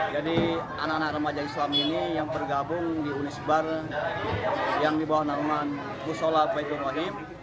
jadi anak anak remaja islam ini yang bergabung di unisbar yang dibawah nama bussola faitul wahid